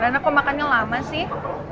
rana kok makannya lama sih